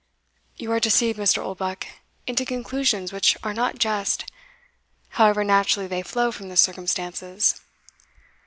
"You are deceived, Mr. Oldbuck, into conclusions which are not just, however naturally they flow from the circumstances.